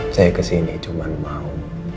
saya kesini cuma mau